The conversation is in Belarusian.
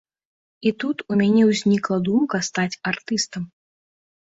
І тут у мяне ўзнікла думка стаць артыстам.